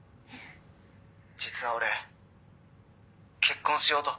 「実は俺結婚しようと」